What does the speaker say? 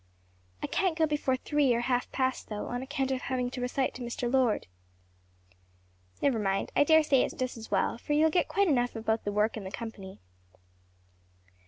"I can't go before three, or half past, though; on account of having to recite to Mr. Lord." "Never mind; I daresay it's just as well; for you'll get quite enough of both the work and the company."